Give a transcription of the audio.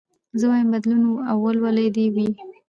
زه وايم بدلون او ولولې دي وي